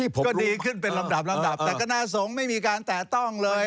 ก็ดีขึ้นเป็นลำดับลำดับแต่คณะสงฆ์ไม่มีการแตะต้องเลย